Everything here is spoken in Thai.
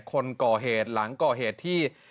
คนก่อเหตุหลังก่อเหตุที่